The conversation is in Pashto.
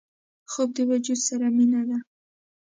خوب د وجود سره مینه ده